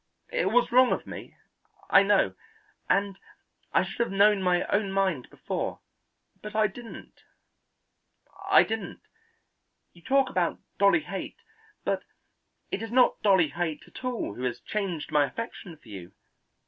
It was wrong of me, I know, and I should have known my own mind before, but I didn't, I didn't. You talk about Dolly Haight; but it is not Dolly Haight at all who has changed my affection for you.